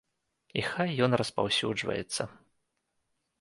І хай ён распаўсюджваецца.